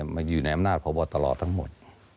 มันอยู่ในอำนาจประวัติศาสตร์ตลอดทั้งหมด